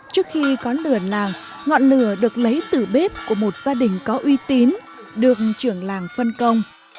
trước khi có lửa làng ngọn lửa được lấy từ bếp của một gia đình có uy tín được trưởng làng phân công